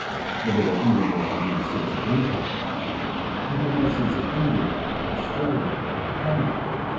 The Little Englander had no sense of Empire. He had no sense of India, Australia, Canada.